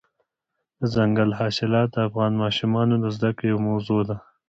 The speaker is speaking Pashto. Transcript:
دځنګل حاصلات د افغان ماشومانو د زده کړې یوه موضوع ده.